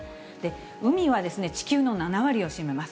海は地球の７割を占めます。